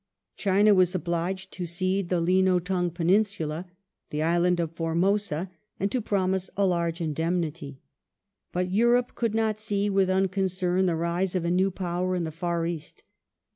China was obliged to cede the Lino Tung peninsula, the island of Formosa, and to promise a large indemnity. But Europe could not see with unconcern the rise of a new Power in the Far East.